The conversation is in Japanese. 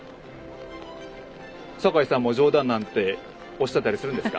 坂井さんも冗談なんておっしゃったりするんですか？